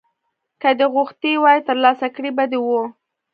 که دې غوښتي وای ترلاسه کړي به دې وو.